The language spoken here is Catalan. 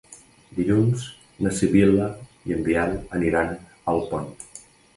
Dilluns na Sibil·la i en Biel aniran a Alpont.